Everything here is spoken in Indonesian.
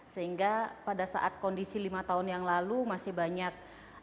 sehingga pada saat kondisi lima tahun yang lalu masih banyak